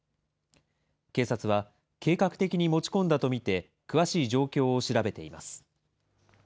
警察は、計画的に持ち込んだと見て、詳しい状況を調べています。